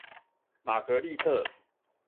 瑪格麗特